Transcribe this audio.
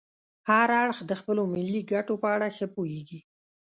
هر اړخ د خپلو ملي ګټو په اړه ښه پوهیږي